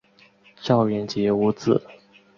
赵元杰无子。